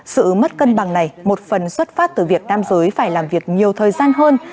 sự mất cân bằng này một phần xuất phát từ việc nam giới phải làm việc nhiều thời gian hơn